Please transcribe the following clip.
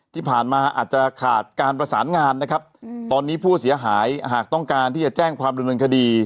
ที่ผ่านมาอาจจะขาดการประสานงานนะครับตอนนี้ผู้เสียหายหากต้องการที่จะแจ้งความดำเนินคดี